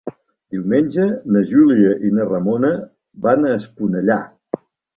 Diumenge na Júlia i na Ramona van a Esponellà.